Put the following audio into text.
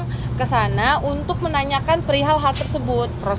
kami datang ke sana untuk menanyakan perihal hal tersebut